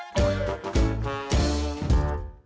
โปรดติดตามตอนต่อไป